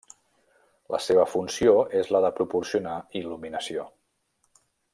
La seva funció és la de proporcionar il·luminació.